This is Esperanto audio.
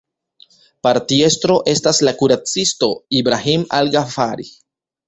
Partiestro estas la kuracisto Ibrahim al-Ĝafari.